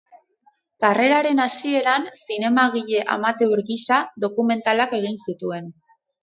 Karreraren hasieran, zinemagile amateur gisa, dokumentalak egin zituen.